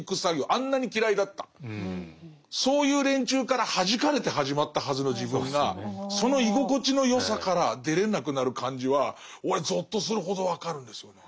あんなに嫌いだったそういう連中からはじかれて始まったはずの自分がその居心地の良さから出れなくなる感じは俺ぞっとするほど分かるんですよね。